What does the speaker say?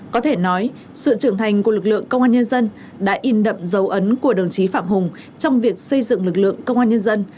có thể nói sự trưởng thành của lực lượng công an nhân dân đã in đậm dấu ấn của đồng chí phạm hùng trong việc xây dựng lực lượng công an nhân dân